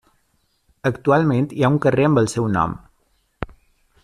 Actualment hi ha un carrer amb el seu nom.